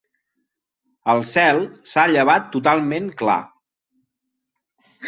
El cel s'ha llevat totalment clar.